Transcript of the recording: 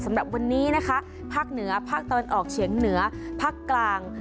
สำหรับวันนี้นะคะภาคเหนือภาคตะวันออกเฉียงเหนือภาคกลาง